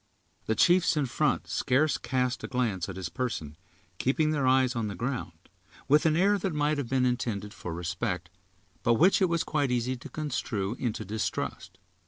The chiefs in front scarce cast a glance at his person, keeping their eyes on the ground, with an air that might have been intended for respect, but which it was quite easy to construe into distrust.